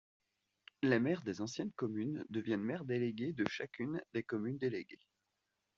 Les maires des anciennes communes deviennent maires délégués de chacune des communes déléguées.